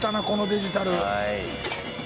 このデジタル。